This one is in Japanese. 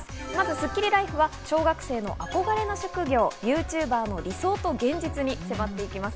スッキリＬＩＦＥは小学生の憧れの職業・ＹｏｕＴｕｂｅｒの理想と現実に迫ります。